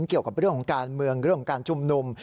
เกี่ยวกับเรื่องการเมืองเรื่องการจุ่มนุม